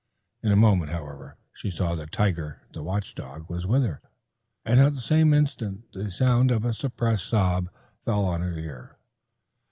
In a moment, however, she saw that Tiger, the watch dog, was with her, and at the same instant the sound of a suppressed sob fell on her ear.